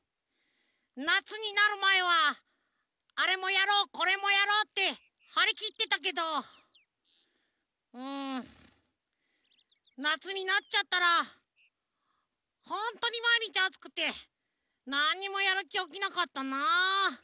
なつになるまえはあれもやろうこれもやろうってはりきってたけどうんなつになっちゃったらホントにまいにちあつくてなんにもやるきおきなかったなあ。